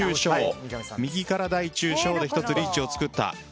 右から大・中・小で１つリーチを作った。